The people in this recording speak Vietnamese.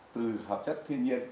từ hợp chất thiên nhiên